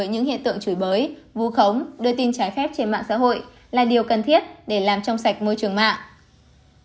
những hiện tượng chửi bới vu khống đưa tin trái phép trên mạng xã hội là điều cần thiết để làm trong sạch môi trường mạng